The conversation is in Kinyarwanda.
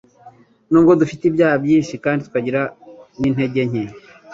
Nubwo dufite ibyaha byinshi, kandi tukagira n'intege nke,